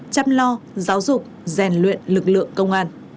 chăm lo giáo dục rèn luyện lực lượng công an